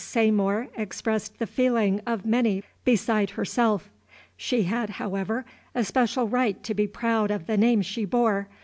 Saymore expressed the feeling of many beside herself. She had, however, a special right to be proud of the name she bore.